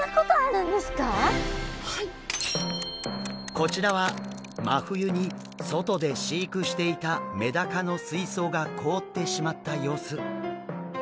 こちらは真冬に外で飼育していたメダカの水槽が凍ってしまった様子。